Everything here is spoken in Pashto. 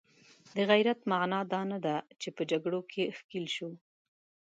د غیرت معنا دا نه ده چې په جګړو کې ښکیل شو.